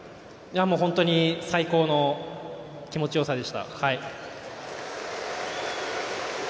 本当に最高の気持ちよさでした。